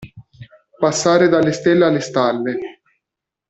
Passare dalle stelle alle stalle.